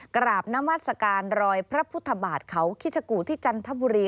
กราบน้ำวัดสการรอยพระพุทธบาทเขาขี้ชะกูที่จันทบุรี